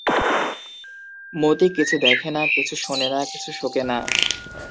মতি কিছু দেখে না, কিছু শোনে না, কিছু শোকে না।